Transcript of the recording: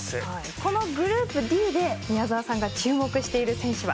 このグループＤで宮澤さんが注目している選手は？